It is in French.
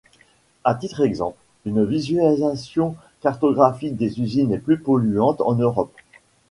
À titre d'exemple, une visualisation cartographique des usines les plus polluantes en Europe.